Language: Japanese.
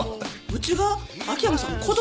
うちが秋山さんの子供？